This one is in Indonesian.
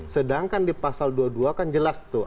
sedangkan di pasal dua puluh dua kan jelas tuh